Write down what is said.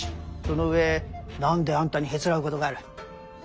その上何であんたにへつらうことがある？